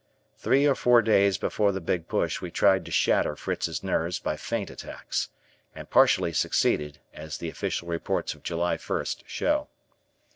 Three or four days before the Big Push we tried to shatter Fritz's nerves by feint attacks, and partially succeeded as the official reports of July 1st show.